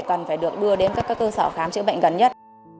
cần phải được đưa đến các cơ sở khám chữa bệnh gần nhất